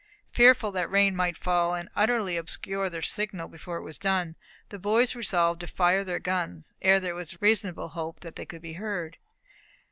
Fearful that rain might fall, and utterly obscure their signal before it was seen, the boys resolved to fire their guns, ere there was any reasonable hope that they could be heard.